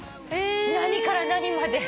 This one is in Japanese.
何から何まで。